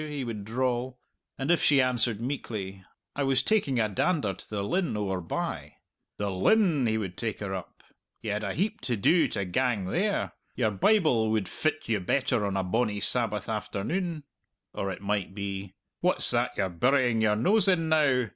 he would drawl; and if she answered meekly, "I was taking a dander to the linn owre bye," "The Linn!" he would take her up; "ye had a heap to do to gang there; your Bible would fit you better on a bonny Sabbath afternune!" Or it might be: "What's that you're burying your nose in now?"